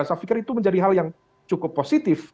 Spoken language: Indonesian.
saya pikir itu menjadi hal yang cukup positif